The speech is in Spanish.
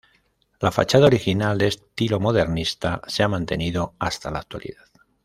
La fachada original, de estilo modernista, se ha mantenido hasta la actualidad.